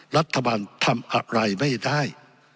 รัฐบาลทำอะไรไม่ได้